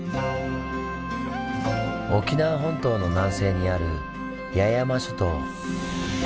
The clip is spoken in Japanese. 沖縄本島の南西にある八重山諸島。